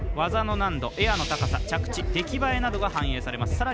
技の難度、エアの高さ出来栄えなどが反映されます。